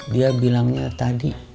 dia bilangnya tadi